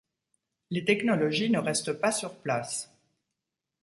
Les technologies ne restent pas sur place.